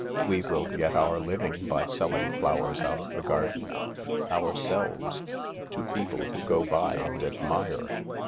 We will get our living by selling flowers out of the garden. Ourselves. To people who go by and admire.